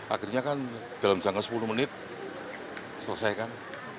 akhirnya kan dalam jangka sepuluh menit selesaikan